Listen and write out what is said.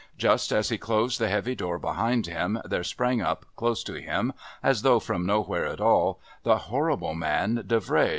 Just as he closed the heavy door behind him there sprang up, close to him, as though from nowhere at all, that horrible man Davray.